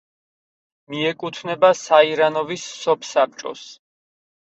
მიეკუთვნება საირანოვის სოფსაბჭოს.